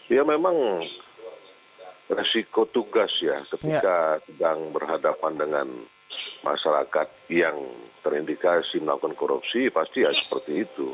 ya memang resiko tugas ya ketika sedang berhadapan dengan masyarakat yang terindikasi melakukan korupsi pasti ya seperti itu